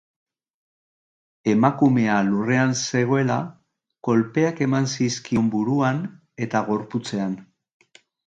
Emakumea lurrean zegoela, kolpeak eman zizkion buruan eta gorputzean.